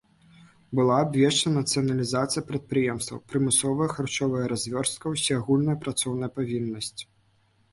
Была абвешчана нацыяналізацыя прадпрыемстваў, прымусовая харчовая развёрстка, усеагульная працоўная павіннасць.